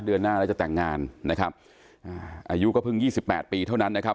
เดือนหน้าแล้วจะแต่งงานนะครับอ่าอายุก็เพิ่งยี่สิบแปดปีเท่านั้นนะครับ